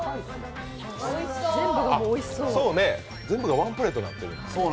全部がワンプレートになってる。